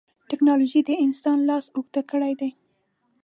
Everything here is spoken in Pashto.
ټکنالوجي د انسان لاس اوږد کړی دی.